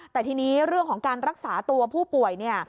แต่ทีนี้เรื่องของการรักษาตัวผู้ป่วยเนี่ย